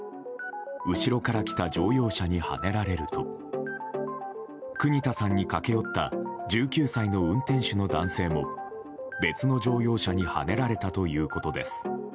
後ろから来た乗用車にはねられると国田さんに駆け寄った１９歳の運転手の男性も別の乗用車にはねられたということです。